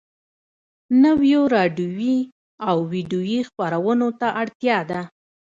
نويو راډيويي او ويډيويي خپرونو ته اړتيا ده.